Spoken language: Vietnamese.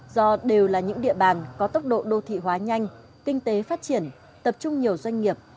do đều là những địa bàn có tốc độ đô thị hóa nhanh kinh tế phát triển tập trung nhiều doanh nghiệp